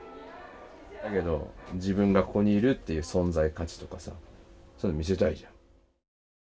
だけど自分がここにいるっていう存在価値とかさそういうの見せたいじゃん。